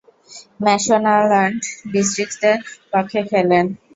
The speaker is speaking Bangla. ম্যাশোনাল্যান্ড ডিস্ট্রিক্টসের পক্ষে খেলেন।